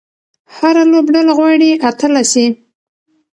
هره لوبډله غواړي اتله سي.